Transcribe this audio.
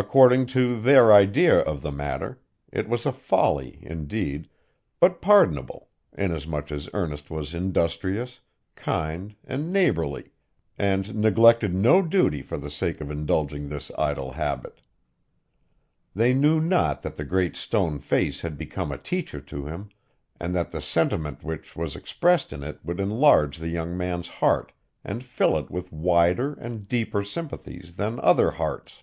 According to their idea of the matter, it was a folly, indeed, but pardonable, inasmuch as Ernest was industrious, kind, and neighborly, and neglected no duty for the sake of indulging this idle habit. They knew not that the Great Stone Face had become a teacher to him, and that the sentiment which was expressed in it would enlarge the young man's heart, and fill it with wider and deeper sympathies than other hearts.